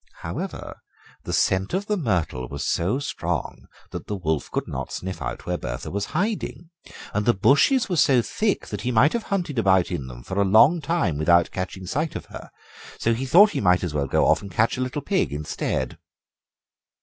However, the scent of the myrtle was so strong that the wolf could not sniff out where Bertha was hiding, and the bushes were so thick that he might have hunted about in them for a long time without catching sight of her, so he thought he might as well go off and catch a little pig instead.